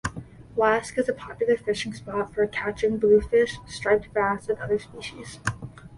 Wasque is a popular fishing spot for catching bluefish, striped bass, and other species.